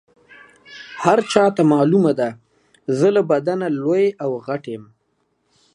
هر چاته معلومه ده زه له بدنه لوی او غټ یم.